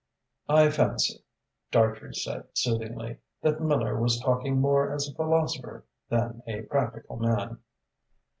"I fancy," Dartrey said soothingly, "that Miller was talking more as a philosopher than a practical man."